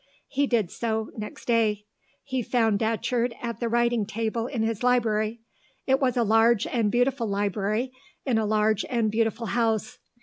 He did so, next day. He found Datcherd at the writing table in his library. It was a large and beautiful library in a large and beautiful house.